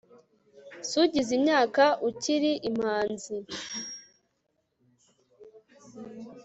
si ugize imyaka ukiri impanzi